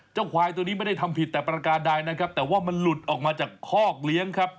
ควายตัวนี้ไม่ได้ทำผิดแต่ประการใดนะครับแต่ว่ามันหลุดออกมาจากคอกเลี้ยงครับ